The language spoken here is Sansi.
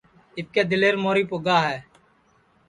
اِٻکے دِلور موری پُگا ہے